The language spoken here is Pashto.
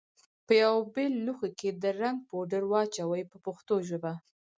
په یوه بېل لوښي کې د رنګ پوډر واچوئ په پښتو ژبه.